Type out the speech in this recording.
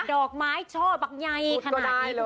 ก็ก็สสิบไหมก็ดอกไม้ยากจะได้เหรอ